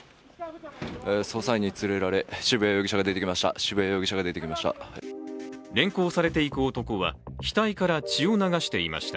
捜査員に連れられ、渋谷容疑者が出てきました。